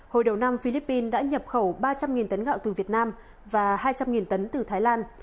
hồi đầu năm philippines đã nhập khẩu ba trăm linh tấn gạo từ việt nam và hai trăm linh tấn từ thái lan